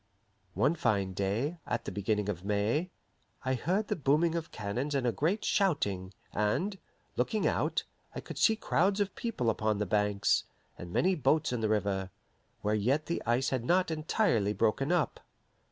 One fine day, at the beginning of May, I heard the booming of cannons and a great shouting, and, looking out, I could see crowds of people upon the banks, and many boats in the river, where yet the ice had not entirely broken up.